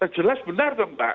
jelas benar dong pak